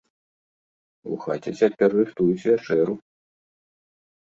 У хаце цяпер рыхтуюць вячэру.